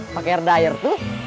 pakai hair dryer tuh